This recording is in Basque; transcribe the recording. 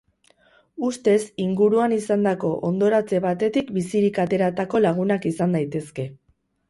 Ustez, inguruan izandako hondoratze batetik bizirik ateratako lagunak izan daitezke.